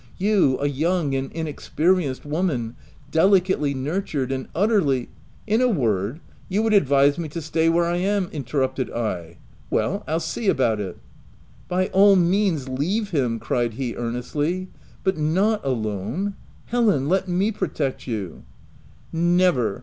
you, a young and inexperienced woman, delicately nurtured, and utterly—" 44 In a word, you would advise me to stay where I am," interrupted I. " Well, I'll see about it." " By all means, leave him !" cried he ear nestly, " but not alone ! Helen ! let me protect you !" u Never!